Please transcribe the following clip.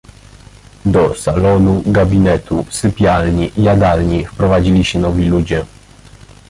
Do salonu, gabinetu, sypialni, jadalni wprowadzili się nowi ludzie.